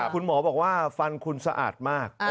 คุณหมอบอกว่าฟันคุณสะอาดมาก